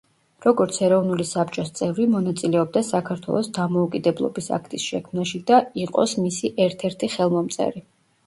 როგორც ეროვნული საბჭოს წევრი, მონაწილეობდა საქართველოს დამოუკიდებლობის აქტის შექმნაში და იყოს მისი ერთ-ერთი ხელმომწერი.